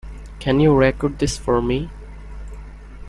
Can you record this for me?